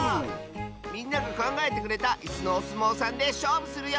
みんながかんがえてくれたイスのおすもうさんでしょうぶするよ！